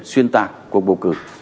xuyên tạc của bầu cử